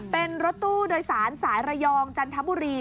เป็นรถตู้โดยสารสายระยองจันทบุรี